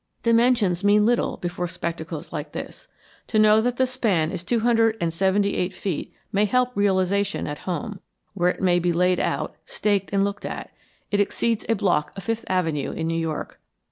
Dimensions mean little before spectacles like this. To know that the span is two hundred and seventy eight feet may help realization at home, where it may be laid out, staked and looked at; it exceeds a block of Fifth Avenue in New York.